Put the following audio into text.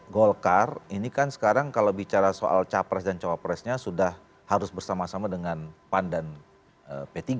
golkar ini kan sekarang kalau bicara soal capres dan cawapresnya sudah harus bersama sama dengan pan dan p tiga